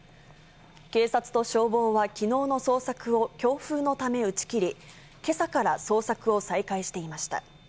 警察と消防はきのうの捜索を強風のため打ち切り、けさから捜索を再開していました。